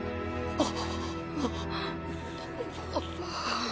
あっ。